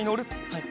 はい。